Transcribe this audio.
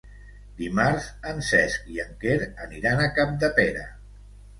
Dimarts en Cesc i en Quer aniran a Capdepera.